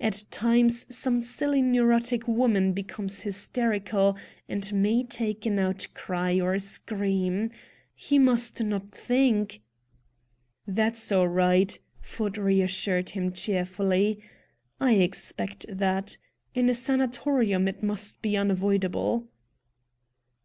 At times some silly neurotic woman becomes hysterical, and may make an outcry or scream. He must not think " "That's all right!" Ford reassured him cheerfully. "I expect that. In a sanatorium it must be unavoidable."